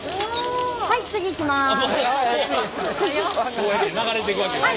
こうやって流れていくわけですね。